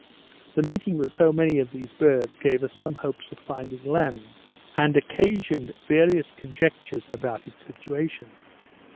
The meeting with so many of these birds, gave us some hopes of finding land, and occasioned various conjectures about its situation.